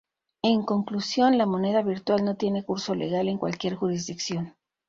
En conclusión, la moneda virtual no tiene curso legal en cualquier jurisdicción.